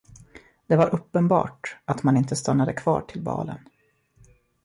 Det var uppenbart, att man inte stannade kvar till balen.